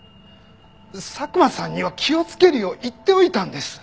佐久間さんには気をつけるよう言っておいたんです！